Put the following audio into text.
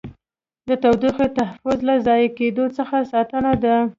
د تودوخې تحفظ له ضایع کېدو څخه ساتنه ده.